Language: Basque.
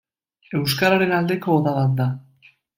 Euskararen aldeko oda bat da.